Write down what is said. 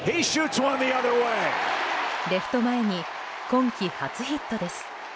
レフト前に今季初ヒットです。